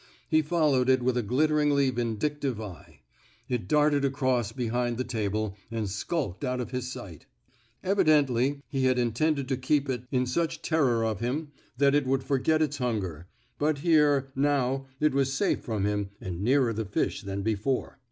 He followed it with a glitteringly vindictive eye. It darted across behind the table, and skulked out of his sight. Evidently he had intended to keep it in 87 r THE SMOKE EATEES such terror of him that it would forget its hunger, but here, now, it was safe from him and nearer the fish than before.